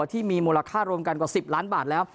ที่มีมูลค่ารวมกันกว่า๑๐ล้านบาทแล้ว